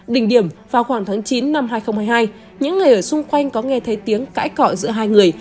đỉnh điểm vào khoảng tháng chín năm hai nghìn hai mươi hai những người ở xung quanh có nghe thấy tiếng cãi cọ giữa hai người